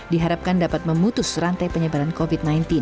diharapkan dapat memutus rantai penyebaran covid sembilan belas